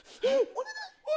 お願い！